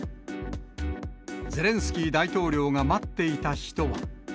ゼレンスキー大統領が待っていた人は。